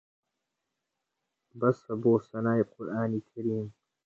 بەسە بۆ سەنای قورئانی کەریم